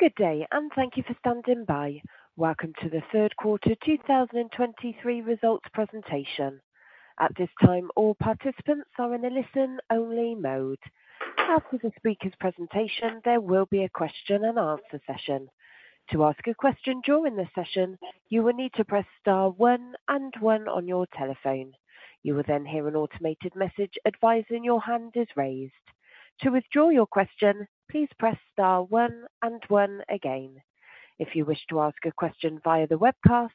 Good day, and thank you for standing by. Welcome to the third quarter 2023 results presentation. At this time, all participants are in a listen-only mode. After the speaker's presentation, there will be a question and answer session. To ask a question during the session, you will need to press star one and one on your telephone. You will then hear an automated message advising your hand is raised. To withdraw your question, please press star one and one again. If you wish to ask a question via the webcast,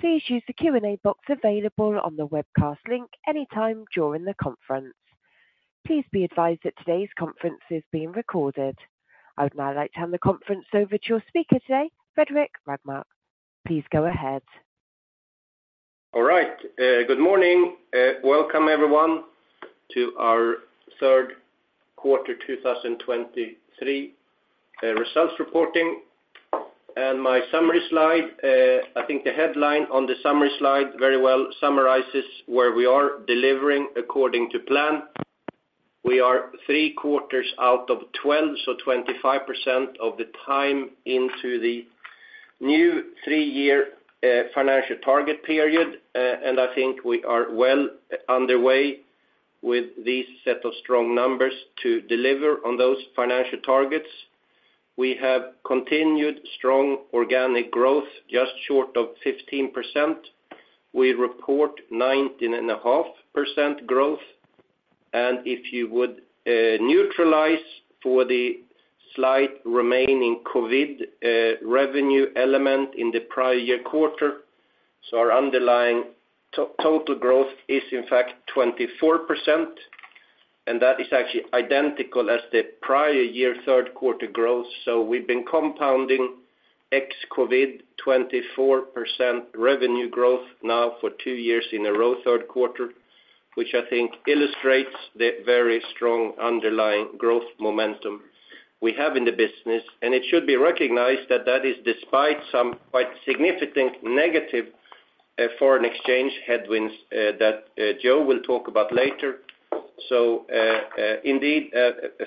please use the Q&A box available on the webcast link anytime during the conference. Please be advised that today's conference is being recorded. I would now like to hand the conference over to your speaker today, Fredrik Rågmark. Please go ahead. All right. Good morning. Welcome everyone to our third quarter 2023 results reporting. My summary slide, I think the headline on the summary slide very well summarizes where we are delivering according to plan. We are 3 quarters out of 12, so 25% of the time into the new three-year financial target period, and I think we are well underway with these set of strong numbers to deliver on those financial targets. We have continued strong organic growth, just short of 15%. We report 19.5% growth, and if you would neutralize for the slight remaining COVID revenue element in the prior year quarter. So our underlying total growth is in fact 24%, and that is actually identical as the prior year, third quarter growth. We've been compounding ex-COVID 24% revenue growth now for two years in a row, third quarter, which I think illustrates the very strong underlying growth momentum we have in the business. It should be recognized that that is despite some quite significant negative foreign exchange headwinds that Joe will talk about later. Indeed,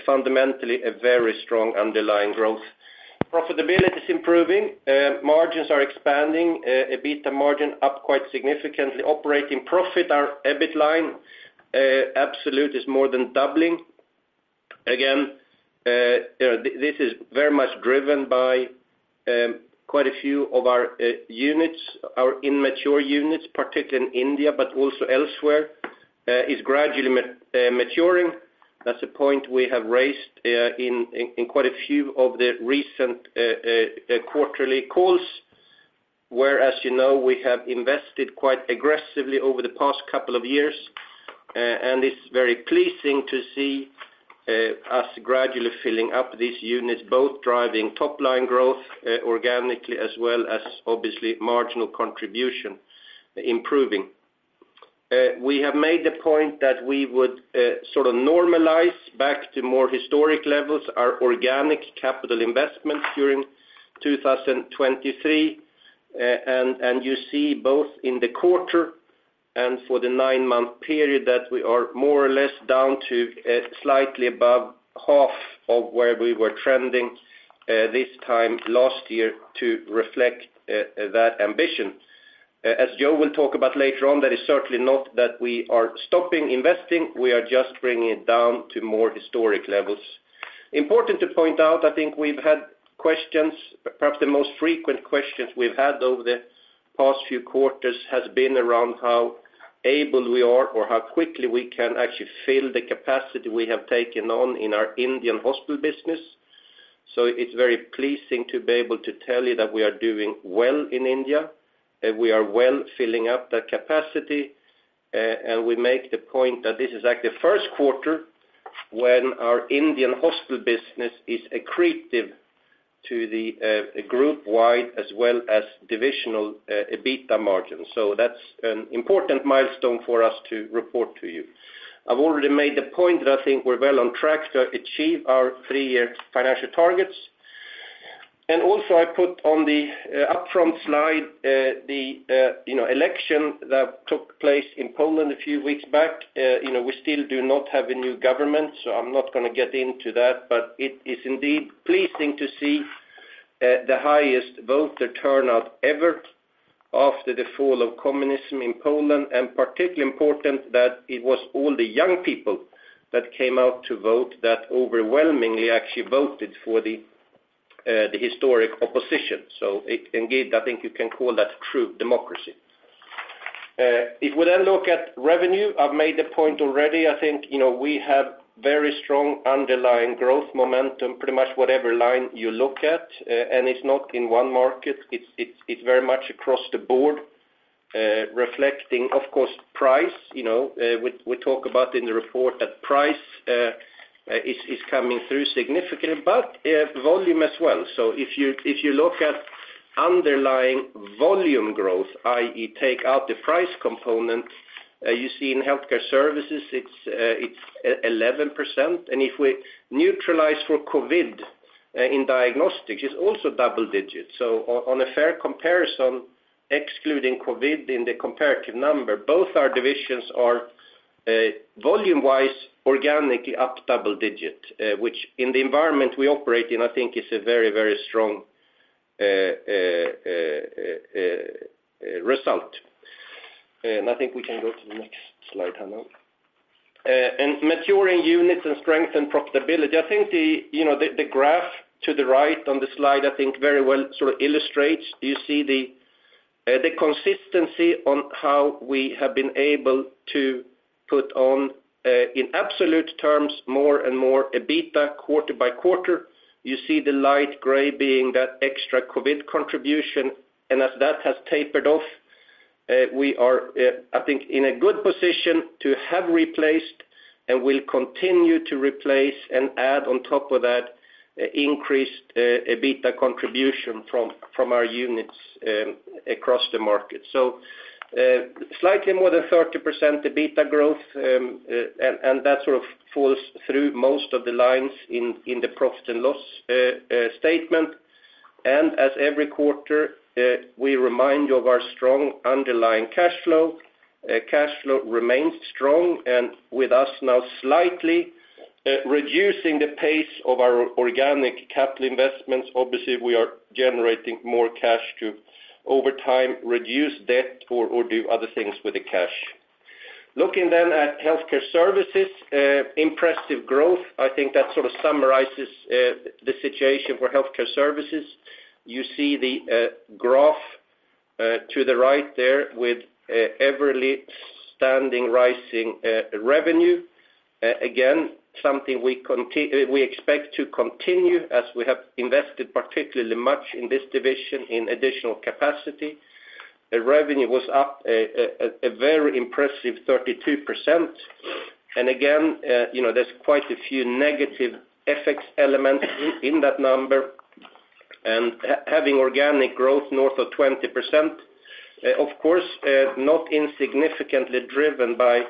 fundamentally, a very strong underlying growth. Profitability is improving, margins are expanding, EBITDA margin up quite significantly. Operating profit, our EBIT line, absolute is more than doubling. Again, you know, this is very much driven by quite a few of our units, our immature units, particularly in India, but also elsewhere, is gradually maturing. That's a point we have raised in quite a few of the recent quarterly calls, where, as you know, we have invested quite aggressively over the past couple of years. And it's very pleasing to see us gradually filling up these units, both driving top line growth organically, as well as obviously marginal contribution improving. We have made the point that we would sort of normalize back to more historic levels, our organic capital investment during 2023. And you see both in the quarter and for the nine-month period, that we are more or less down to slightly above half of where we were trending this time last year to reflect that ambition. As Joe will talk about later on, that is certainly not that we are stopping investing. We are just bringing it down to more historic levels. Important to point out, I think we've had questions, perhaps the most frequent questions we've had over the past few quarters, has been around how able we are or how quickly we can actually fill the capacity we have taken on in our Indian hospital business. So it's very pleasing to be able to tell you that we are doing well in India, and we are well filling up that capacity. And we make the point that this is actually the first quarter when our Indian hospital business is accretive to the group wide as well as divisional EBITDA margin. So that's an important milestone for us to report to you. I've already made the point that I think we're well on track to achieve our three-year financial targets. And also I put on the upfront slide, you know, election that took place in Poland a few weeks back. You know, we still do not have a new government, so I'm not going to get into that. But it is indeed pleasing to see the highest voter turnout ever after the fall of communism in Poland, and particularly important, that it was all the young people that came out to vote that overwhelmingly actually voted for the historic opposition. So it indeed, I think you can call that true democracy. If we then look at revenue, I've made the point already. I think, you know, we have very strong underlying growth momentum, pretty much whatever line you look at. And it's not in one market, it's very much across the board, reflecting, of course, price. You know, we talk about in the report that price is coming through significantly, but volume as well. So if you look at underlying volume growth, i.e., take out the price component, you see in Healthcare Services, it's 11%, and if we neutralize for COVID, in diagnostics, it's also double digits. So on a fair comparison, excluding COVID in the comparative number, both our divisions are volume-wise, organically up double-digit, which in the environment we operate in, I think is a very, very strong result. And I think we can go to the next slide, Hanna. Maturing units and strength and profitability, I think you know the graph to the right on the slide very well sort of illustrates. You see the consistency on how we have been able to put on, in absolute terms, more and more EBITDA quarter by quarter. You see the light gray being that extra COVID contribution, and as that has tapered off, we are, I think, in a good position to have replaced and will continue to replace and add on top of that increased EBITDA contribution from our units across the market. So, slightly more than 30% EBITDA growth, and that sort of falls through most of the lines in the profit and loss statement. As every quarter, we remind you of our strong underlying cash flow. Cash flow remains strong, and with us now slightly reducing the pace of our organic capital investments, obviously, we are generating more cash to, over time, reduce debt or do other things with the cash. Looking then at healthcare services, impressive growth, I think that sort of summarizes the situation for healthcare services. You see the graph to the right there with everly standing, rising revenue. Again, something we expect to continue as we have invested particularly much in this division in additional capacity. The revenue was up a very impressive 32%. And again, you know, there's quite a few negative FX elements in that number, and having organic growth north of 20%, of course, not insignificantly driven by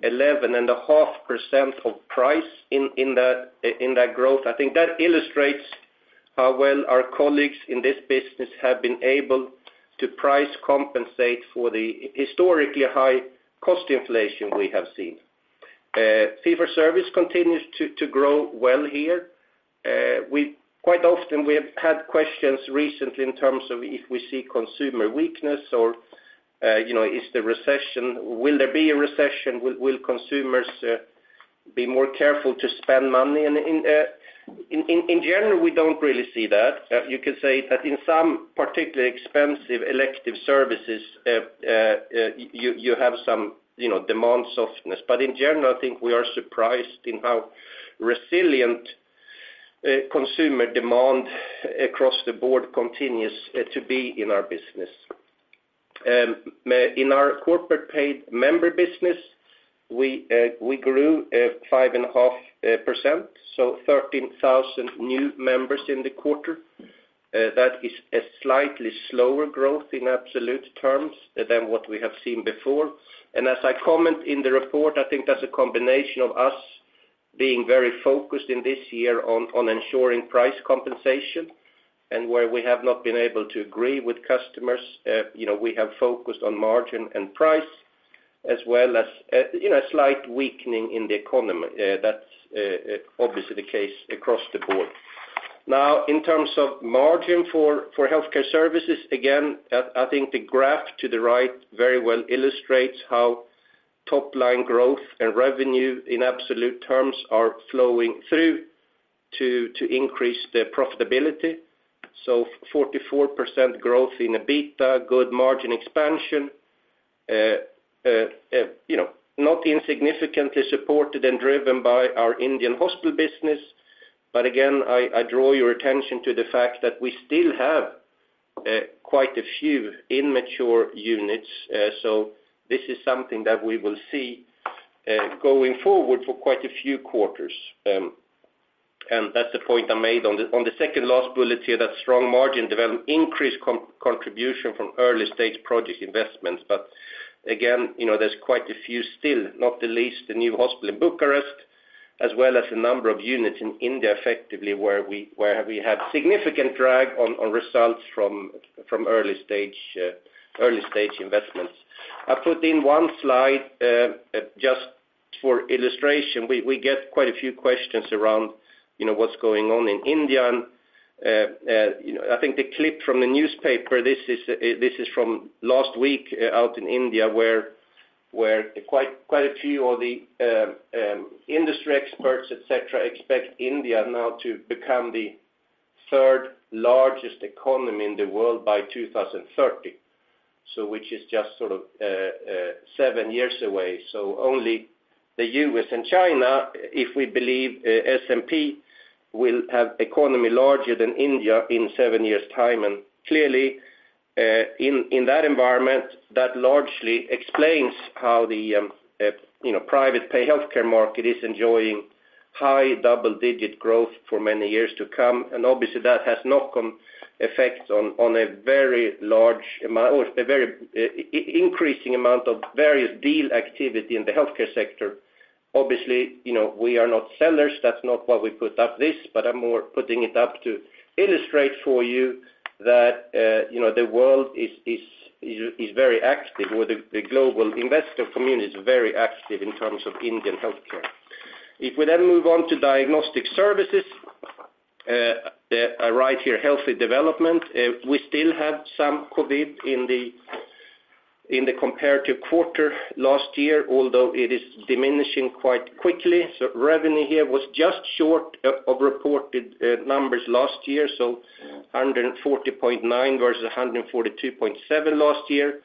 11.5% of price in, in that, in that growth. I think that illustrates how well our colleagues in this business have been able to price compensate for the historically high cost inflation we have seen. Fee for Service continues to, to grow well here. Quite often, we have had questions recently in terms of if we see consumer weakness or, you know, is the recession, will there be a recession, will, will consumers, be more careful to spend money? And in, in, in, in general, we don't really see that. You could say that in some particularly expensive elective services, you have some, you know, demand softness. But in general, I think we are surprised in how resilient consumer demand across the board continues to be in our business. In our corporate paid member business, we grew 5.5%, so 13,000 new members in the quarter. That is a slightly slower growth in absolute terms than what we have seen before. And as I comment in the report, I think that's a combination of us being very focused in this year on ensuring price compensation, and where we have not been able to agree with customers, you know, we have focused on margin and price, as well as, you know, a slight weakening in the economy. That's obviously the case across the board. Now, in terms of margin for healthcare services, again, I think the graph to the right very well illustrates how top line growth and revenue in absolute terms are flowing through to increase the profitability. So 44% growth in EBITDA, good margin expansion, you know, not insignificantly supported and driven by our Indian hospital business. But again, I draw your attention to the fact that we still have quite a few immature units, so this is something that we will see going forward for quite a few quarters. And that's the point I made on the second last bullet here, that strong margin development, increased contribution from early-stage project investments. But again, you know, there's quite a few still, not the least, the new hospital in Bucharest, as well as a number of units in India, effectively, where we have significant drag on results from early stage investments. I put in one slide just for illustration. We get quite a few questions around, you know, what's going on in India. You know, I think the clip from the newspaper, this is from last week out in India, where quite a few of the industry experts, et cetera, expect India now to become the third largest economy in the world by 2030. So which is just sort of seven years away. So only the U.S. and China, if we believe S&P, will have economy larger than India in seven years' time. And clearly, in that environment, that largely explains how the, you know, private pay healthcare market is enjoying high double-digit growth for many years to come. And obviously, that has knock-on effects on a very large amount, or a very increasing amount of various deal activity in the healthcare sector. Obviously, you know, we are not sellers. That's not why we put up this, but I'm more putting it up to illustrate for you that, you know, the world is very active, or the global investor community is very active in terms of Indian healthcare. If we then move on to diagnostic services, the right here, healthy development. We still have some COVID in the, in the comparative quarter last year, although it is diminishing quite quickly. So revenue here was just short of reported numbers last year, so 140.9 versus 142.7 last year.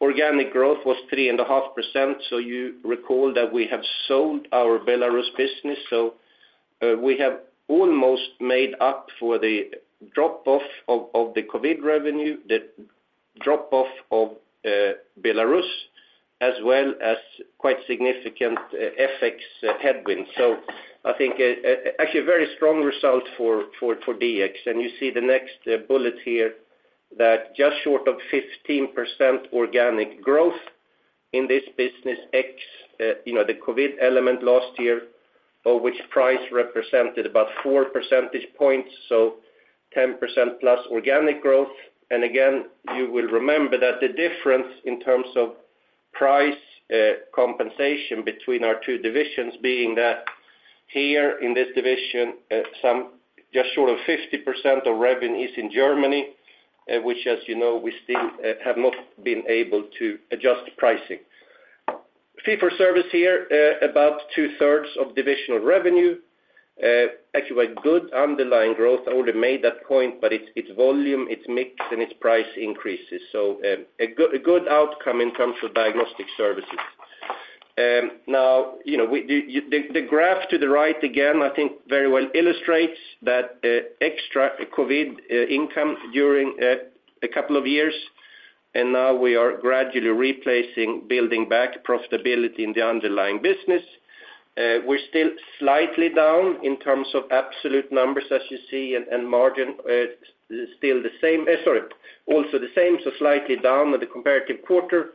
Organic growth was 3.5%, so you recall that we have sold our Belarus business. So, we have almost made up for the drop-off of, of the COVID revenue, the drop-off of Belarus, as well as quite significant FX headwind. So I think, actually a very strong result for DX. You see the next bullet here that just short of 15% organic growth in this business, ex- you know, the COVID element last year, of which price represented about 4 percentage points, so 10%+ organic growth. And again, you will remember that the difference in terms of price compensation between our two divisions being that here in this division, some just short of 50% of revenue is in Germany, which, as you know, we still have not been able to adjust pricing. Fee for service here, about two-thirds of divisional revenue. Actually quite good underlying growth. I already made that point, but it's, it's volume, it's mix, and it's price increases. So, a good, a good outcome in terms of diagnostic services. Now, you know, the graph to the right, again, I think very well illustrates that, extra COVID income during a couple of years, and now we are gradually replacing, building back profitability in the underlying business. We're still slightly down in terms of absolute numbers, as you see, and, and margin, still the same. Sorry, also the same, so slightly down with the comparative quarter.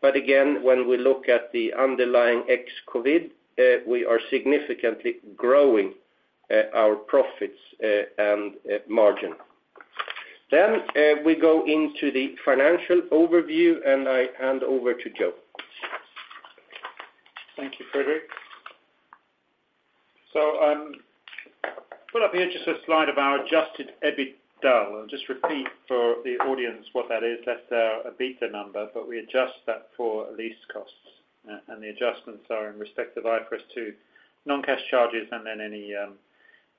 But again, when we look at the underlying ex-COVID, we are significantly growing our profits, and, margin. Then, we go into the financial overview, and I hand over to Joe. Thank you, Fredrik. So, pull up here just a slide of our adjusted EBITDA. I'll just repeat for the audience what that is. That's an EBITDA number, but we adjust that for lease costs, and the adjustments are in respect of IFRS 2 non-cash charges and then any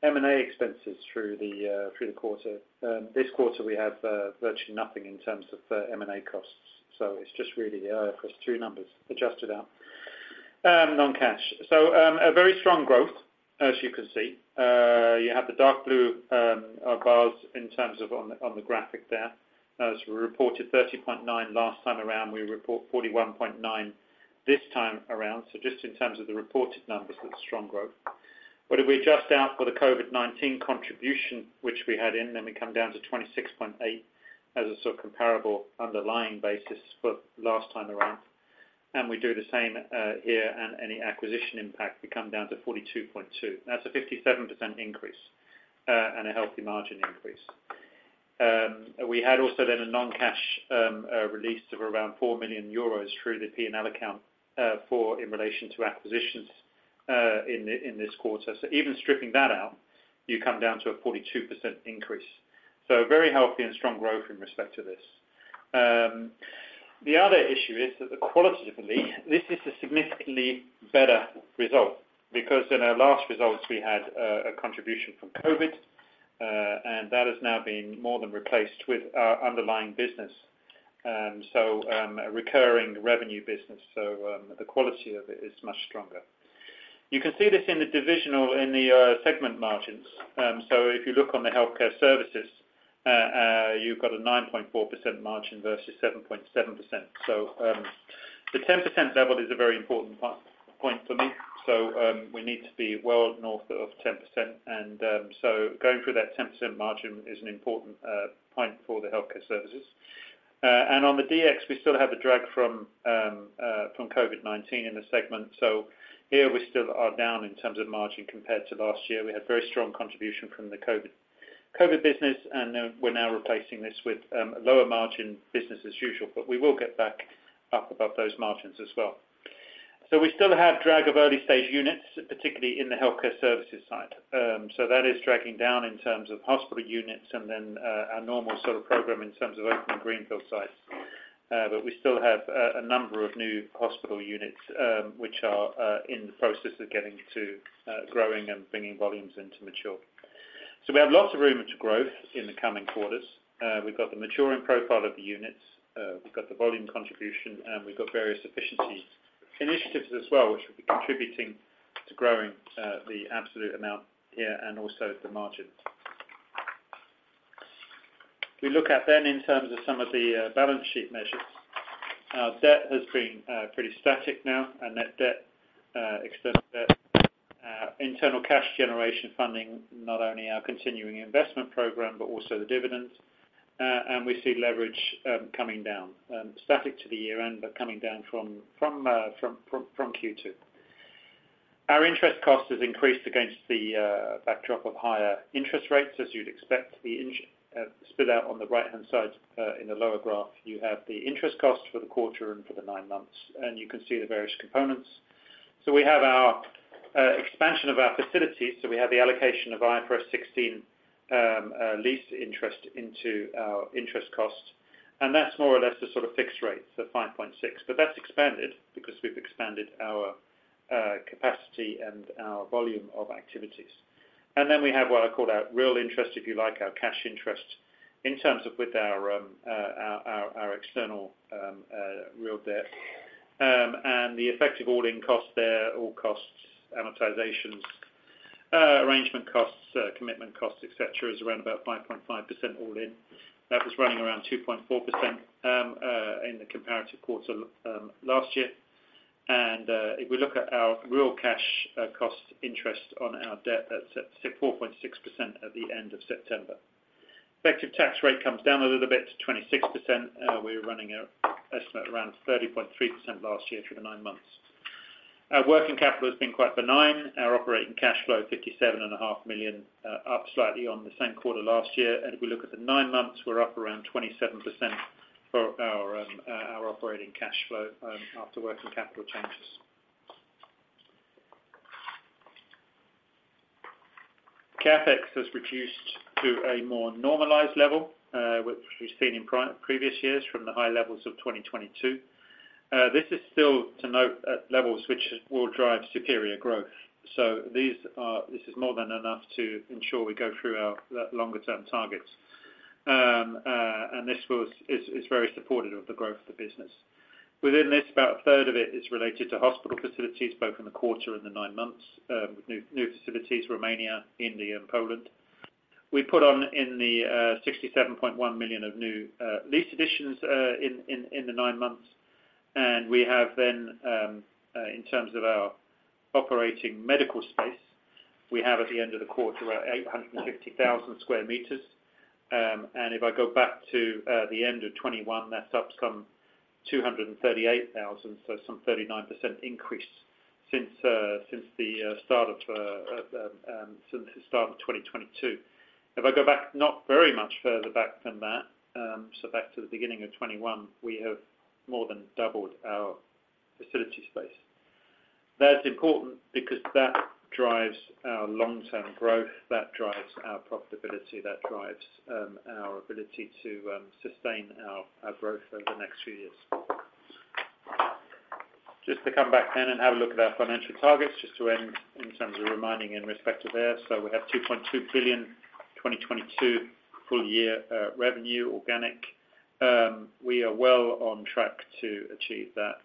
M&A expenses through the quarter. This quarter, we have virtually nothing in terms of M&A costs, so it's just really the IFRS 2 numbers adjusted out, non-cash. So, a very strong growth, as you can see. You have the dark blue bars in terms of on the graphic there. As we reported 30.9 last time around, we report 41.9 this time around. So just in terms of the reported numbers, that's strong growth. But if we adjust out for the COVID-19 contribution, which we had in, then we come down to 26.8 as a sort of comparable underlying basis for last time around, and we do the same here, and any acquisition impact, we come down to 42.2. That's a 57% increase, and a healthy margin increase. We had also then a non-cash release of around 4 million euros through the P&L account, for, in relation to acquisitions, in this quarter. So even stripping that out, you come down to a 42% increase. So very healthy and strong growth in respect to this. The other issue is that qualitatively, this is a significantly better result because in our last results, we had a contribution from COVID, and that has now been more than replaced with our underlying business. So, a recurring revenue business. So, the quality of it is much stronger. You can see this in the divisional, in the segment margins. So if you look on the Healthcare Services, you've got a 9.4% margin versus 7.7%. So, the 10% level is a very important point for me. So, we need to be well north of 10%, and so going through that 10% margin is an important point for the Healthcare Services. And on the DX, we still have a drag from COVID-19 in the segment. So here we still are down in terms of margin compared to last year. We had very strong contribution from the COVID business, and then we're now replacing this with lower margin business as usual, but we will get back up above those margins as well. So we still have drag of early-stage units, particularly in the healthcare services side. So that is dragging down in terms of hospital units and then our normal sort of program in terms of opening greenfield sites. But we still have a number of new hospital units, which are in the process of getting to growing and bringing volumes in to mature. So we have lots of room to growth in the coming quarters. We've got the maturing profile of the units, we've got the volume contribution, and we've got various efficiency initiatives as well, which will be contributing to growing the absolute amount here and also the margin. If we look at then in terms of some of the balance sheet measures, our debt has been pretty static now, and net debt, internal cash generation funding, not only our continuing investment program, but also the dividends. And we see leverage coming down, static to the year-end, but coming down from Q2. Our interest cost has increased against the backdrop of higher interest rates, as you'd expect. The split out on the right-hand side, in the lower graph, you have the interest cost for the quarter and for the nine months, and you can see the various components. So we have our expansion of our facilities, so we have the allocation of IFRS 16 lease interest into our interest costs. And that's more or less the sort of fixed rate, so 5.6. But that's expanded because we've expanded our capacity and our volume of activities. And then we have what I call our real interest, if you like, our cash interest, in terms of with our our external real debt. And the effective all-in cost there, all costs, amortizations, arrangement costs, commitment costs, et cetera, is around about 5.5% all in. That was running around 2.4% in the comparative quarter last year. And if we look at our real cash cost interest on our debt, that's at 4.6% at the end of September. Effective tax rate comes down a little bit to 26%. We're running at estimate around 30.3% last year for the nine months. Our working capital has been quite benign. Our operating cash flow, 57.5 million, up slightly on the same quarter last year. And if we look at the nine months, we're up around 27% for our operating cash flow after working capital changes. CapEx has reduced to a more normalized level, which we've seen in previous years from the high levels of 2022. This is still to note at levels which will drive superior growth. So this is more than enough to ensure we go through our, the longer term targets. And this is very supportive of the growth of the business. Within this, about a third of it is related to hospital facilities, both in the quarter and the nine months, with new facilities, Romania, India, and Poland. We put on in the, sixty-seven point one million of new, lease additions, in the nine months. And we have then, in terms of our operating medical space, we have at the end of the quarter, about eight hundred and fifty thousand square meters. If I go back to the end of 2021, that's up some 238,000, so some 39% increase since the start of 2022. If I go back, not very much further back than that, so back to the beginning of 2021, we have more than doubled our facility space. That's important because that drives our long-term growth, that drives our profitability, that drives our ability to sustain our growth over the next few years. Just to come back then and have a look at our financial targets, just to end in terms of reminding in respect to there. So we have 2.2 billion 2022 full year revenue, organic. We are well on track to achieve that,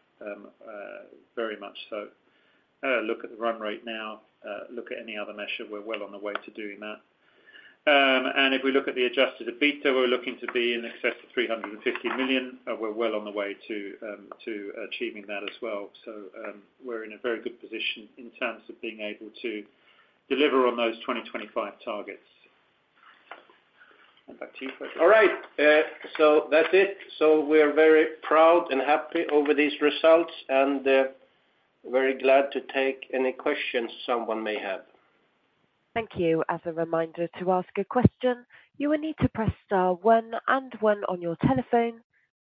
very much so. Look at the run rate now, look at any other measure, we're well on the way to doing that. And if we look at the adjusted EBITDA, we're looking to be in excess of 350 million, and we're well on the way to, to achieving that as well. So, we're in a very good position in terms of being able to deliver on those 2025 targets. And back to you, Fredrik. All right, so that's it. So we are very proud and happy over these results, and very glad to take any questions someone may have. Thank you. As a reminder, to ask a question, you will need to press star one and one on your telephone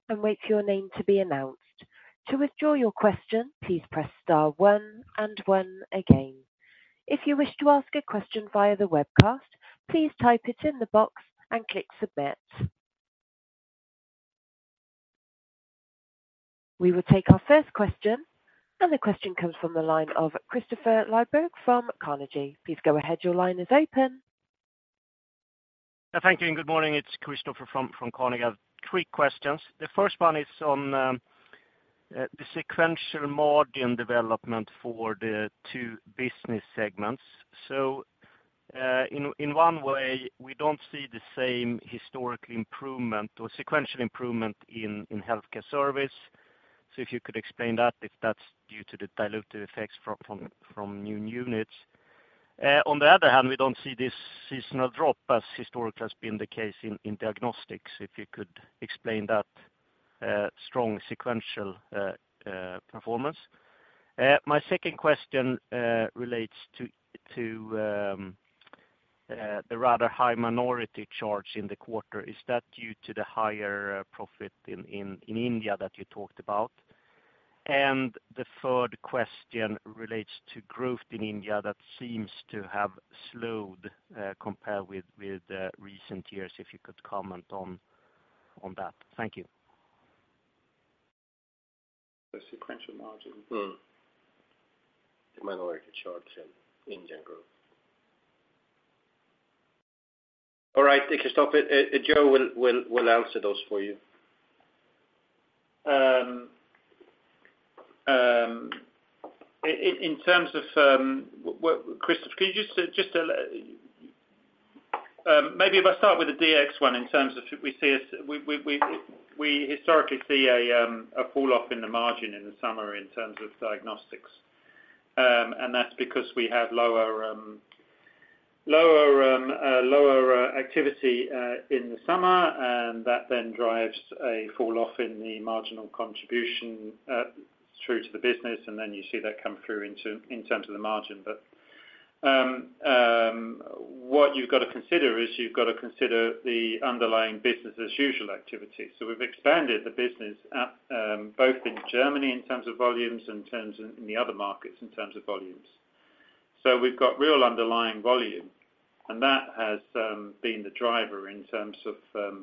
and wait for your name to be announced. To withdraw your question, please press star one and one again. If you wish to ask a question via the webcast, please type it in the box and click Submit. We will take our first question, and the question comes from the line of Kristofer Liljeberg from Carnegie. Please go ahead, your line is open. Thank you, and good morning. It's Kristofer from Carnegie. I have three questions. The first one is on the sequential margin development for the two business segments. So, in one way, we don't see the same historical improvement or sequential improvement in healthcare service. So if you could explain that, if that's due to the dilutive effects from new units. On the other hand, we don't see this seasonal drop as historically has been the case in diagnostics. If you could explain that, strong sequential performance. My second question relates to the rather high minority charge in the quarter. Is that due to the higher profit in India that you talked about? The third question relates to growth in India that seems to have slowed, compared with recent years, if you could comment on that. Thank you. The sequential margin. Mm-hmm. The minority charge in India growth. All right, Kristofer, Joe will answer those for you. In terms of what... Kristofer, can you just...... Maybe if I start with the DX one, in terms of we see it, we historically see a fall off in the margin in the summer in terms of diagnostics. And that's because we have lower activity in the summer, and that then drives a falloff in the marginal contribution through to the business, and then you see that come through into, in terms of the margin. But what you've got to consider is you've got to consider the underlying business as usual activity. So we've expanded the business at both in Germany in terms of volumes and in terms of, in the other markets, in terms of volumes. So we've got real underlying volume, and that has been the driver in terms of the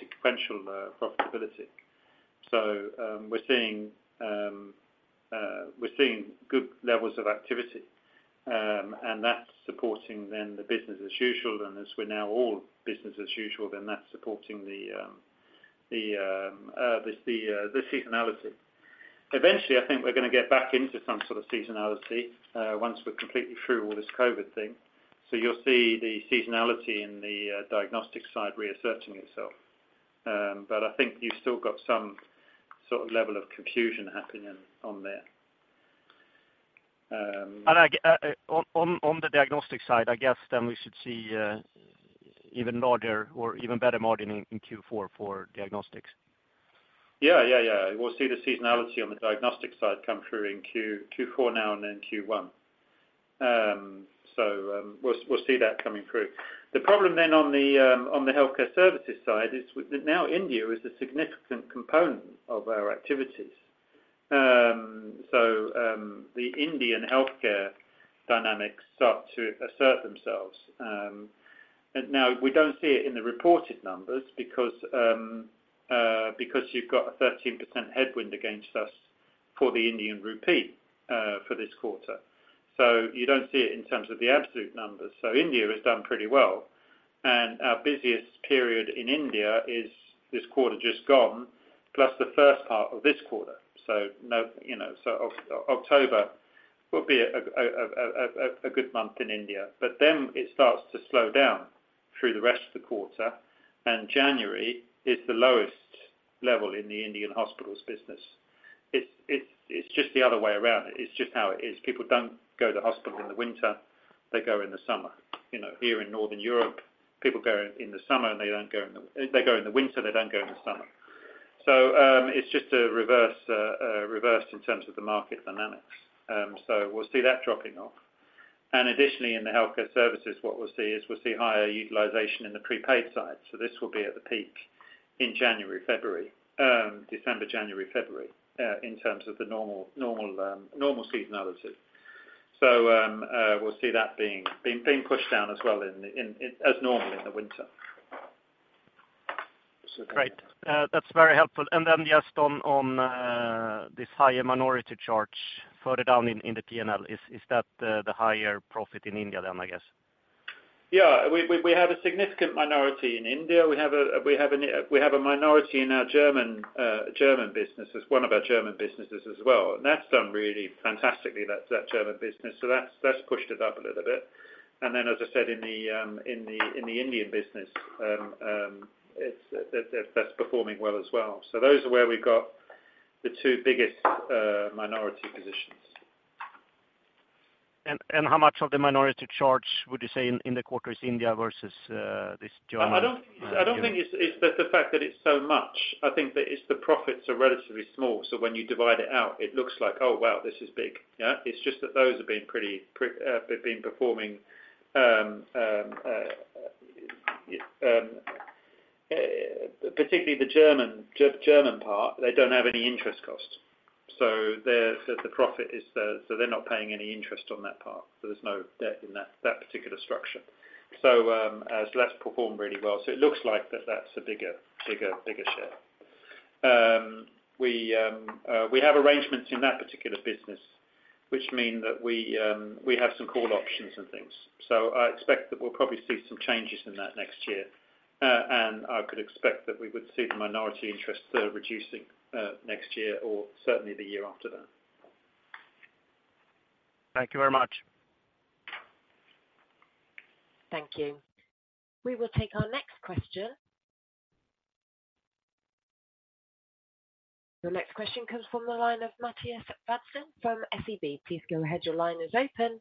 sequential profitability. So, we're seeing good levels of activity. And that's supporting then the business as usual, and as we're now all business as usual, then that's supporting the seasonality. Eventually, I think we're gonna get back into some sort of seasonality once we're completely through all this COVID thing. So you'll see the seasonality in the diagnostic side reasserting itself. But I think you've still got some sort of level of confusion happening on there. On the diagnostic side, I guess then we should see even larger or even better margin in Q4 for diagnostics. Yeah, yeah, yeah. We'll see the seasonality on the diagnostic side come through in Q4 now and then Q1. So, we'll see that coming through. The problem then on the healthcare services side is with, now India is a significant component of our activities. So, the Indian healthcare dynamics start to assert themselves. And now we don't see it in the reported numbers because you've got a 13% headwind against us for the Indian rupee for this quarter. So you don't see it in terms of the absolute numbers. So India has done pretty well, and our busiest period in India is this quarter just gone, plus the first part of this quarter. So no, you know, so October will be a good month in India, but then it starts to slow down through the rest of the quarter, and January is the lowest level in the Indian hospitals business. It's just the other way around. It's just how it is. People don't go to hospital in the winter, they go in the summer. You know, here in Northern Europe, people go in the winter, they don't go in the summer. So, it's just a reverse in terms of the market dynamics. So we'll see that dropping off. And additionally, in the healthcare services, what we'll see is we'll see higher utilization in the prepaid side. So this will be at the peak in January, February, December, January, February, in terms of the normal seasonality. So, we'll see that being pushed down as well in, as normal in the winter. Great. That's very helpful. And then just on this higher minority charge further down in the P&L, is that the higher profit in India then, I guess? Yeah. We have a significant minority in India. We have a minority in our German businesses, one of our German businesses as well. And that's done really fantastically, that German business. So that's pushed it up a little bit. And then, as I said, in the Indian business, that's performing well as well. So those are where we've got the two biggest minority positions. How much of the minority charge would you say in the quarter is India versus this joint? I don't think it's the fact that it's so much. I think that it's the profits are relatively small, so when you divide it out, it looks like, "Oh, wow, this is big!" Yeah. It's just that those have been pretty, they've been performing particularly the German part, they don't have any interest costs. So the profit is, so they're not paying any interest on that part. So there's no debt in that particular structure. So that's performed really well. So it looks like that that's a bigger, bigger, bigger share. We have arrangements in that particular business, which mean that we have some call options and things. So I expect that we'll probably see some changes in that next year. I could expect that we would see the minority interest reducing next year or certainly the year after that. Thank you very much. Thank you. We will take our next question. The next question comes from the line of Mattias Vadsten from SEB. Please go ahead. Your line is open.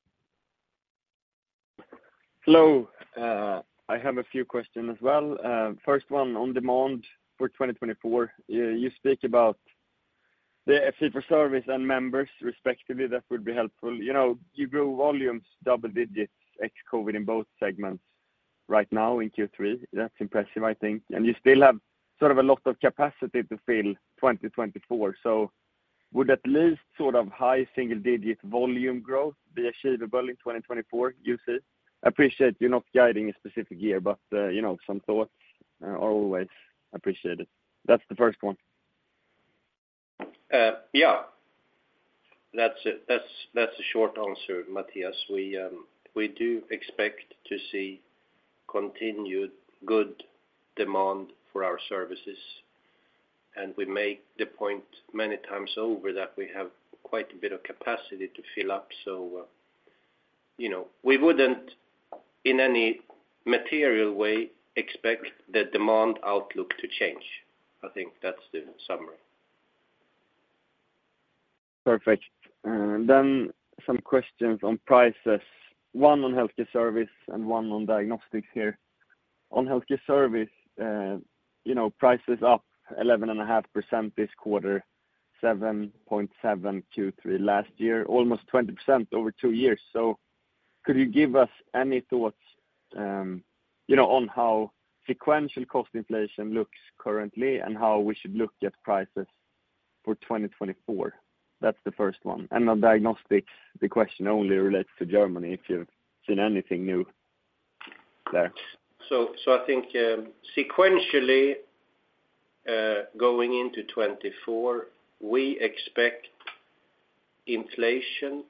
Hello. I have a few questions as well. First one, on demand for 2024, you speak about the fee for service and members respectively. That would be helpful. You know, you grow volumes, double digits, ex-COVID in both segments right now in Q3. That's impressive, I think. And you still have sort of a lot of capacity to fill 2024. So would at least sort of high single-digit volume growth be achievable in 2024, you say? I appreciate you're not guiding a specific year, but, you know, some thoughts are always appreciated. That's the first one. Yeah, that's a short answer, Mattias. We do expect to see continued good demand for our services.... and we make the point many times over that we have quite a bit of capacity to fill up. So, you know, we wouldn't in any material way expect the demand outlook to change. I think that's the summary. Perfect. Then some questions on prices, one on healthcare services and one on diagnostics here. On healthcare services, you know, price is up 11.5% this quarter, 7.7 Q3 last year, almost 20% over two years. So could you give us any thoughts, you know, on how sequential cost inflation looks currently, and how we should look at prices for 2024? That's the first one. And on diagnostics, the question only relates to Germany, if you've seen anything new there. So, I think, sequentially, going into 2024, we expect inflation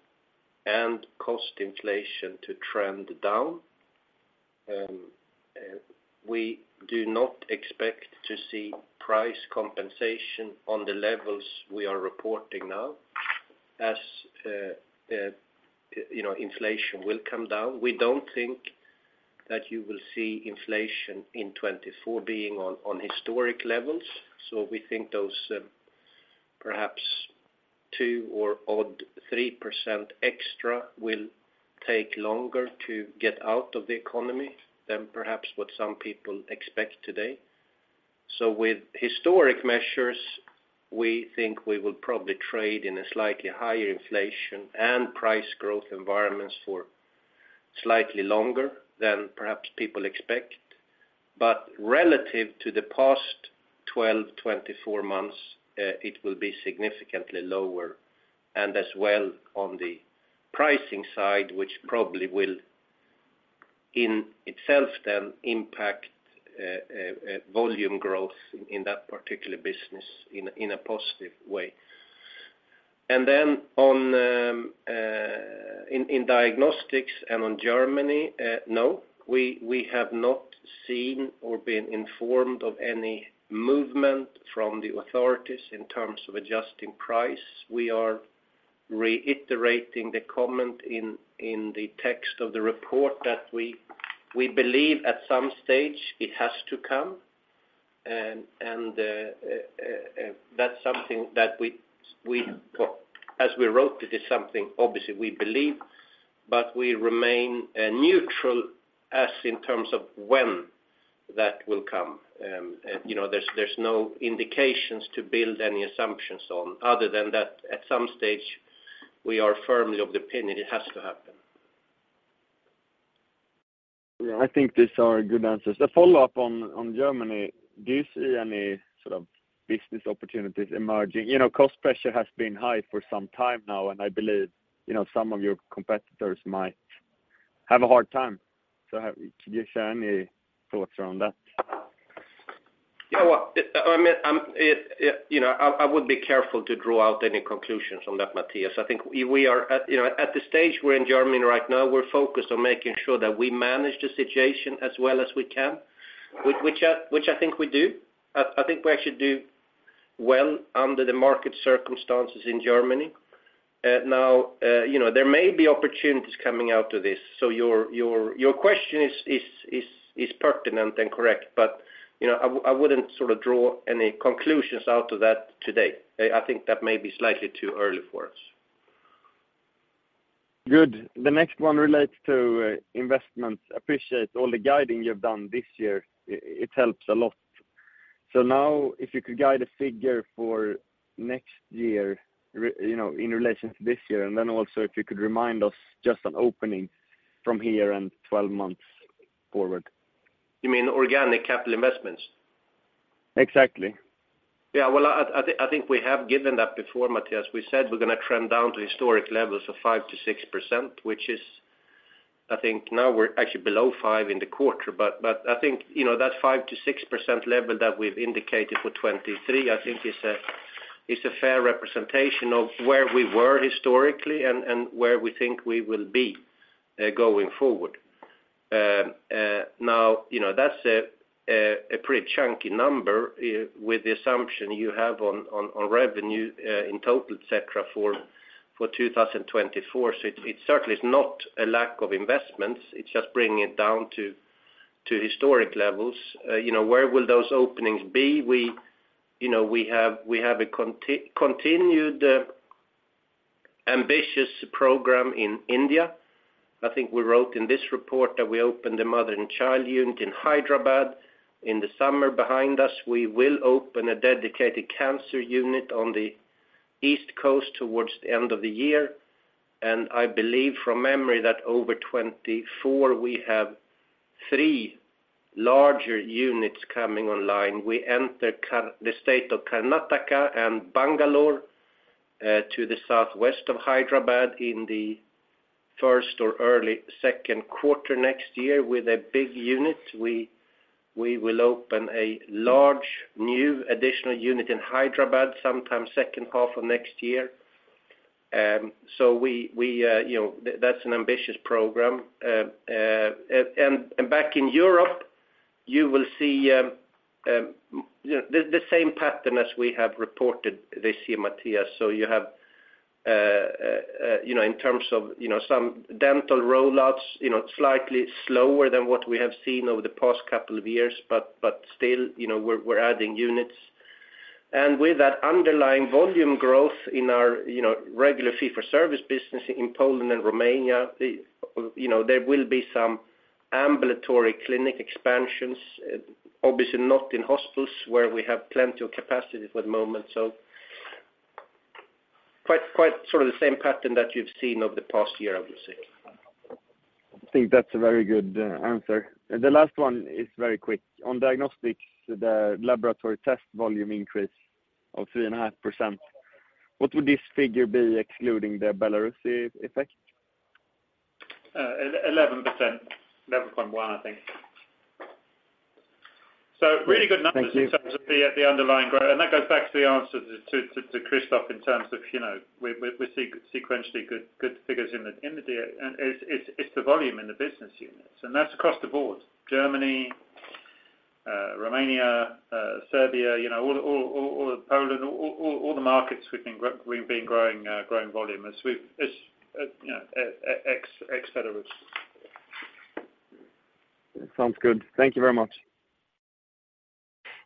and cost inflation to trend down. We do not expect to see price compensation on the levels we are reporting now, as, you know, inflation will come down. We don't think that you will see inflation in 2024 being on historic levels. So we think those, perhaps two or odd three percent extra will take longer to get out of the economy than perhaps what some people expect today. So with historic measures, we think we will probably trade in a slightly higher inflation and price growth environments for slightly longer than perhaps people expect. But relative to the past 12, 24 months, it will be significantly lower, and as well on the pricing side, which probably will in itself then impact volume growth in that particular business in a positive way. And then in diagnostics and on Germany, no, we have not seen or been informed of any movement from the authorities in terms of adjusting price. We are reiterating the comment in the text of the report that we believe at some stage it has to come. And that's something that we, as we wrote it, is something obviously we believe, but we remain neutral as in terms of when that will come. You know, there's no indications to build any assumptions on other than that. At some stage, we are firmly of the opinion it has to happen. Yeah, I think these are good answers. The follow-up on Germany, do you see any sort of business opportunities emerging? You know, cost pressure has been high for some time now, and I believe, you know, some of your competitors might have a hard time. Could you share any thoughts around that? Yeah, well, I mean, you know, I would be careful to draw out any conclusions on that, Mattias. I think we are at, you know, at the stage we're in Germany right now, we're focused on making sure that we manage the situation as well as we can, which I think we do. I think we actually do well under the market circumstances in Germany. You know, there may be opportunities coming out to this. So your question is pertinent and correct, but, you know, I wouldn't sort of draw any conclusions out to that today. I think that may be slightly too early for us. Good. The next one relates to investments. Appreciate all the guiding you've done this year. It helps a lot. So now, if you could guide a figure for next year, re- you know, in relation to this year, and then also if you could remind us just an opening from here and twelve months forward. You mean organic capital investments? Exactly. Yeah, well, I think we have given that before, Mattias. We said we're gonna trend down to historic levels of 5%-6%, which is, I think now we're actually below 5% in the quarter. But I think, you know, that 5%-6% level that we've indicated for 2023, I think is a fair representation of where we were historically and where we think we will be going forward. Now, you know, that's a pretty chunky number with the assumption you have on revenue in total, et cetera, for 2024. So it certainly is not a lack of investments, it's just bringing it down to historic levels. You know, where will those openings be? We, you know, we have a continued ambitious program in India. I think we wrote in this report that we opened a mother and child unit in Hyderabad in the summer behind us. We will open a dedicated cancer unit on the East Coast towards the end of the year. And I believe, from memory, that over 2024, we have 3 larger units coming online. We enter the state of Karnataka and Bangalore, to the southwest of Hyderabad in the first or early second quarter next year with a big unit. We will open a large, new, additional unit in Hyderabad, sometime second half of next year. And so, you know, that's an ambitious program. And back in Europe, you will see the same pattern as we have reported this year, Mattias. So you have, you know, in terms of, you know, some dental rollouts, you know, slightly slower than what we have seen over the past couple of years, but still, you know, we're adding units. And with that underlying volume growth in our, you know, regular fee-for-service business in Poland and Romania, you know, there will be some ambulatory clinic expansions, obviously not in hospitals, where we have plenty of capacity for the moment. So quite sort of the same pattern that you've seen over the past year, I would say. I think that's a very good answer. And the last one is very quick. On diagnostics, the laboratory test volume increase of 3.5%, what would this figure be excluding the Belarus effect? 11%. 11.1, I think. So really good numbers- Thank you. In terms of the underlying growth. That goes back to the answer to Kristofer, in terms of, you know, we see sequentially good figures in the data, and it's the volume in the business units, and that's across the board. Germany, Romania, Serbia, you know, all Poland, all the markets we've been growing volume as we've, you know, ex Belarus. Sounds good. Thank you very much.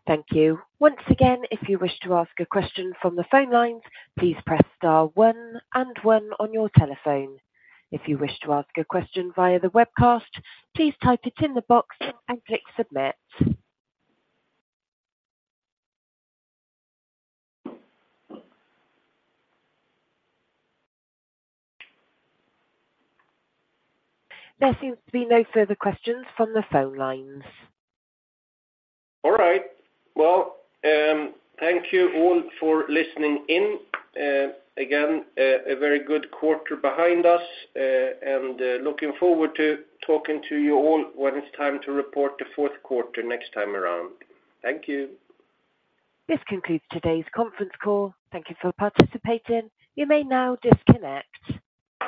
Thank you. Once again, if you wish to ask a question from the phone lines, please press star one and one on your telephone. If you wish to ask a question via the webcast, please type it in the box and click submit. There seems to be no further questions from the phone lines. All right. Well, thank you all for listening in. Again, very good quarter behind us, and looking forward to talking to you all when it's time to report the fourth quarter next time around. Thank you. This concludes today's conference call. Thank you for participating. You may now disconnect.